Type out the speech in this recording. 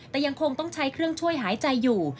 แต่ยังคงต้องใช้เครื่องช่วยหายใจอยู่